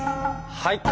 はい！